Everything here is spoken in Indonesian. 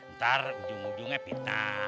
ntar ujung ujungnya pinta